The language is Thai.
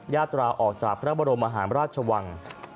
ญาตราออกจากพระบรมมหาราชวัง